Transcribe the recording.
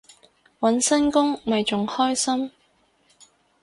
搵新工咪仲開心